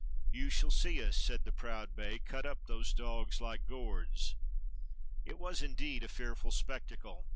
"You shall see us," said the proud Bey, "cut up those dogs like gourds!" It was, indeed, a fearful spectacle.